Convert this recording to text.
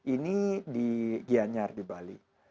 ini di gianyar di bali